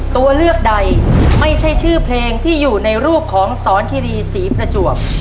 ตัวเลือกใดไม่ใช่ชื่อเพลงที่อยู่ในรูปของสอนคิรีศรีประจวบ